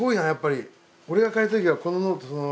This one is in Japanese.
俺が借りた時はこのノートそのまま。